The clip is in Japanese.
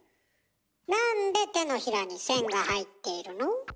なんで手のひらに線が入っているの？